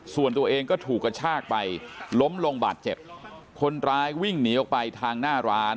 ส่วนตัวเองก็ถูกกระชากไปล้มลงบาดเจ็บคนร้ายวิ่งหนีออกไปทางหน้าร้าน